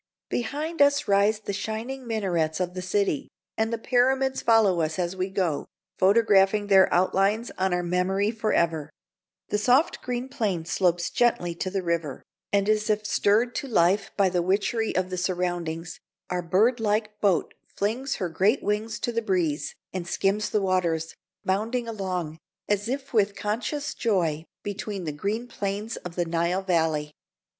Behind us rise the shining minarets of the city, and the Pyramids follow us as we go, photographing their outlines on our memory forever; the soft green plain slopes gently to the river; and as if stirred to life by the witchery of the surroundings, our bird like boat flings her great wings to the breeze, and skims the waters, bounding along, as if with conscious joy, between the green plains of the Nile Valley.